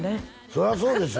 そりゃそうでしょ